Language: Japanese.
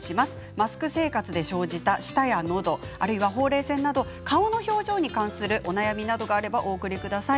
マスク生活で生じた舌やのどあるいはほうれい線など顔の表情に関するお悩みなどがあればお送りください。